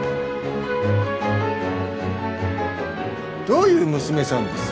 どういう娘さんです？